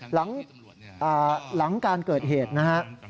หลังการเกิดเหตุนะฮะ